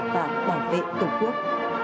và bảo vệ tổ quốc